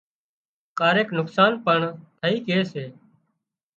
ڪاريڪ نقصان پڻ ٿئي ڪي سي